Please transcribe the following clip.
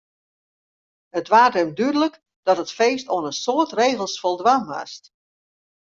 It waard him dúdlik dat it feest oan in soad regels foldwaan moast.